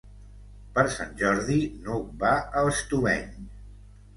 Per Sant Jordi n'Hug va a Estubeny.